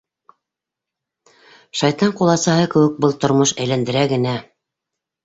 Шайтан ҡуласаһы кеүек был тормош әйләндерә генә.